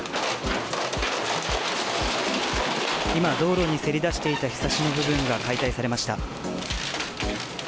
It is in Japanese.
今、道路にせり出していたひさしの部分が解体されました。